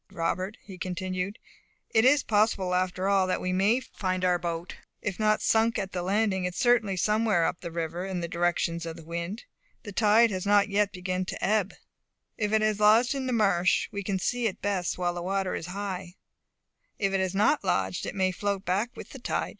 "Robert," he continued, "it is possible after all that we may find our boat. If not sunk at the landing, it is certainly somewhere up the river, in the direction of the wind. The tide has not yet begun to ebb. If it has lodged in the marsh, we can best see it while the water is high, and if it has not lodged, it may float back with the tide.